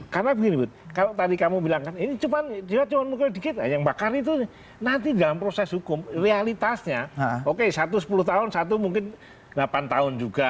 karena begini bud kalau tadi kamu bilang kan ini cuma mukul sedikit yang bakar itu nanti dalam proses hukum realitasnya oke satu sepuluh tahun satu mungkin delapan tahun juga